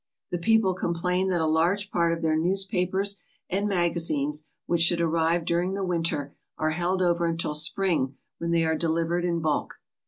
The people complain that a large part of their news papers and magazines which should arrive during the winter are held over until spring when they are delivered in bulk.